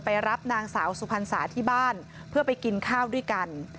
ไปรับนางสาวสุพรรษาที่บ้านเพื่อไปกินข้าวด้วยกัน